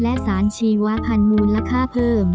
และสารชีวพันธ์มูลค่าเพิ่ม